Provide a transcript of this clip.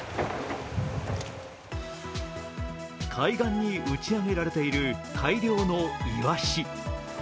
海岸に打ち上げられている大量のイワシ。